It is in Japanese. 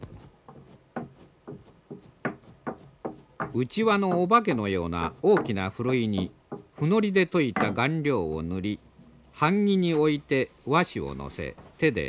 うちわのお化けのような大きなふるいにふのりで溶いた顔料を塗り版木に置いて和紙を載せ手で軽くなでる。